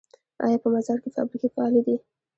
آیا په مزار کې فابریکې فعالې دي؟